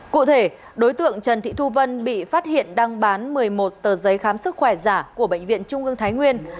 cụ thể đối tượng trần thị thu vân bị phát hiện đang bán một mươi một tờ giấy khám sức khỏe giả của bệnh viện trung ương thái nguyên